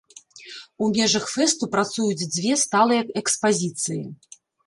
У межах фэсту працуюць дзве сталыя экспазіцыі.